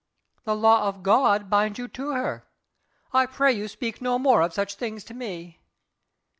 "The law of God binds you to her. I pray you speak no more of such things to me."